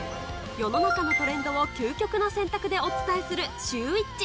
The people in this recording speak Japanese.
世の中のトレンドを究極の選択でお伝えする「シューＷｈｉｃｈ」